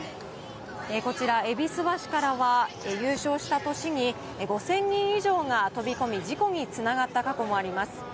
こちら、戎橋からは優勝した年に５０００人以上が飛び込み、事故につながった過去もあります。